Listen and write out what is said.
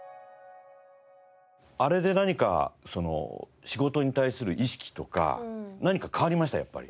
あれで何か仕事に対する意識とか何か変わりました？